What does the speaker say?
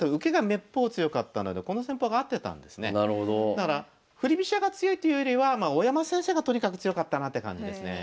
だから振り飛車が強いというよりは大山先生がとにかく強かったなって感じですね。